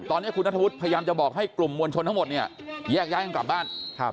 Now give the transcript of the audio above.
ตอนนี้คุณนัทธวุฒิพยายามจะบอกให้กลุ่มมวลชนทั้งหมดเนี่ยแยกย้ายกันกลับบ้าน